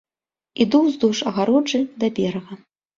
Іду ўздоўж агароджы да берага.